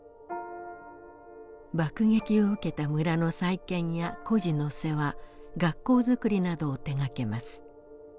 爆撃を受けた村の再建や孤児の世話学校作りなどを手がけます。